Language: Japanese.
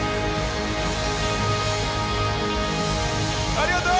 ありがとう！